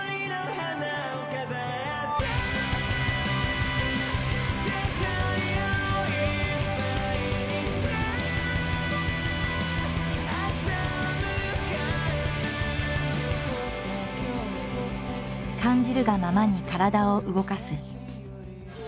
感じるがままに体を動かす。